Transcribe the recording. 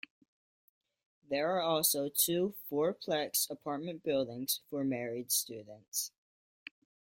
There are also two four-plex apartment buildings for married students.